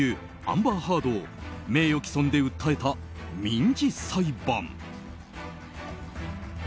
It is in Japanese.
アンバー・ハードを名誉棄損で訴えた民事裁判。